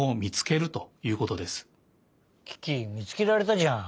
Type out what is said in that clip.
キキみつけられたじゃん。